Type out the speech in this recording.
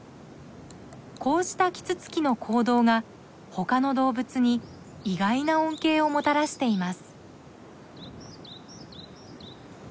こうしたキツツキの行動が他の動物に意外な恩恵をもたらしています。